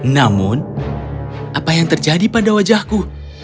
namun apa yang terjadi pada wajahku